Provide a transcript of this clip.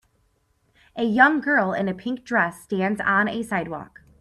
A young girl in a pink dress stands on a sidewalk.